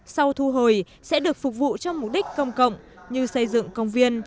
số thu hồi sẽ được phục vụ trong mục đích công cộng như xây dựng công viên